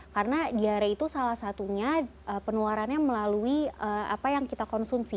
karena diare itu salah satunya penularannya melalui apa yang kita konsumsi